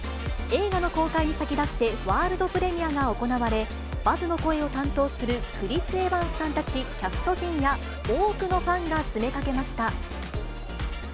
映画の公開に先立ってワールドプレミアが行われ、バズの声を担当するクリス・エヴァンスさんたち、キャスト陣や、多くのファンが詰めかけました。